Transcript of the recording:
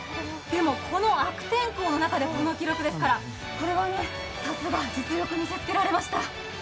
でもこの悪天候の中でこの記録ですからこれはさすが実力見せつけられました。